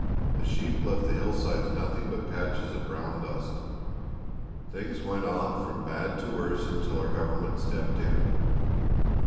The sheep left the hillsides nothing but patches of brown dust. Things went on from bad to worse until our government stepped in."